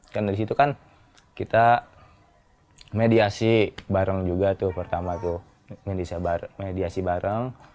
karena disitu kan kita mediasi bareng juga tuh pertama tuh yang bisa bar mediasi bareng